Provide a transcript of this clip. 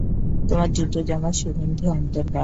তোমার জুতো, জামা, সুগন্ধী, অন্তর্বাস।